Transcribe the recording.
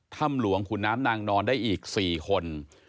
ถ้ำหลวงขุนน้ำนางนอนได้อีก๔คน